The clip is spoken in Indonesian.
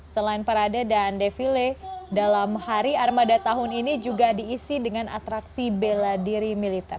selain parade dan defile dalam hari armada tahun ini juga diisi dengan atraksi bela diri militer